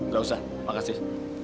gak usah makasih